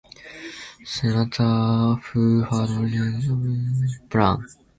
Senator who had originally championed the plan.